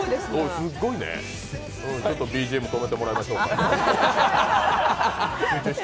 ちょっとＢＧＭ止めてもらいましょうか。